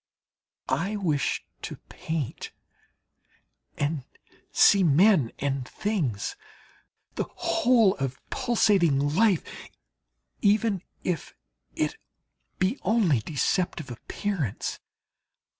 I wish to paint and see men and things, the whole of pulsating life, even if it be only deceptive appearance.